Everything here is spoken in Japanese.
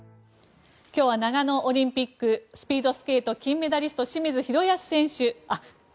今日は長野オリンピックスピードスケート金メダリスト